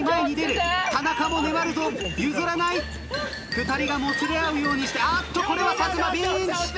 ２人がもつれ合うようにしてあっとこれは佐久間ピンチ！